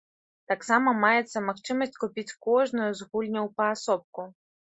Таксама маецца магчымасць купіць кожную з гульняў паасобку.